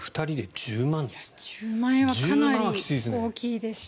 １０万円はきついですね。